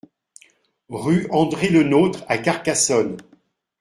Rue André Le Nôtre à Carcassonne